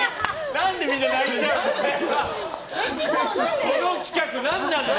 何でみんな泣いちゃうんだよ。